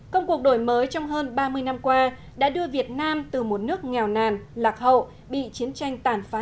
công cuộc đổi mới trong hơn ba mươi năm qua đã đưa việt nam từ một nước nghèo nàn lạc hậu bị chiến tranh tàn phá